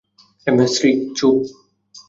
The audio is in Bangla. শ্রী, চুপ!